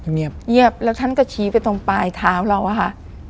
เงียบแล้วท่านก็ชี้ไปตรงปลายท้าเราค่ะ